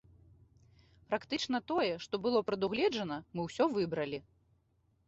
Практычна тое, што было прадугледжана, мы ўсё выбралі.